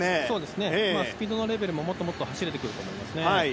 スピードのレベルももっと走れてくると思います。